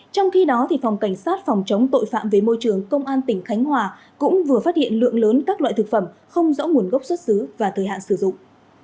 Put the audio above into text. trong khi đó phòng cảnh sát phòng chống tội phạm về môi trường công an tỉnh khánh hòa cũng vừa phát hiện lượng lớn các loại thực phẩm không rõ nguồn gốc xuất xứ và thời hạn sử dụng